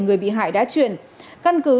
người bị hại đã chuyển căn cứ